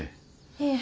いえ。